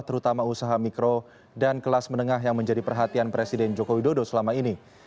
terutama usaha mikro dan kelas menengah yang menjadi perhatian presiden joko widodo selama ini